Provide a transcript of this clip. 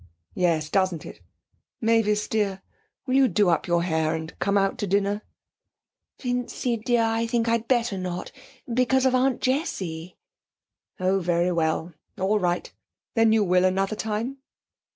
'Yes, doesn't it? Mavis dear, will you do up your hair and come out to dinner?' 'Vincy dear, I think I'd better not, because of Aunt Jessie.' 'Oh, very well; all right. Then you will another time?'